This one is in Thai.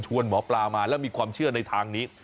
หมอปลามาแล้วมีความเชื่อในทางนี้